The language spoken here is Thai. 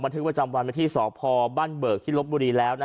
ทึกประจำวันมาที่สพบ้านเบิกที่ลบบุรีแล้ว